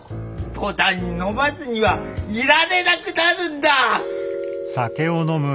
途端に飲まずにはいられなくなるんだ！